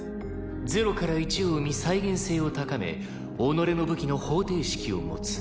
０から１を生み再現性を高め己の武器の方程式を持つ。